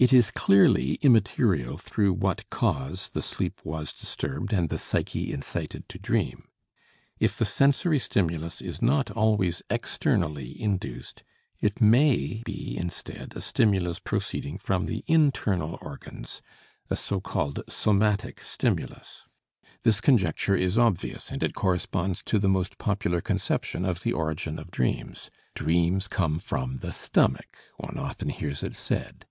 It is clearly immaterial through what cause the sleep was disturbed and the psyche incited to dream. If the sensory stimulus is not always externally induced, it may be instead a stimulus proceeding from the internal organs, a so called somatic stimulus. This conjecture is obvious, and it corresponds to the most popular conception of the origin of dreams. Dreams come from the stomach, one often hears it said.